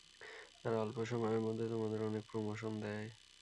তারা অল্প সময়ের মধ্যে তোমাদের অনেক প্রমোশন দেয়।